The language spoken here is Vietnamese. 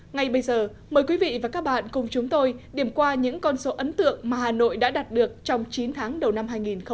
ngay bây giờ mời quý vị và các bạn cùng chúng tôi điểm qua những con số ấn tượng mà hà nội đã đạt được trong chín tháng đầu năm hai nghìn một mươi chín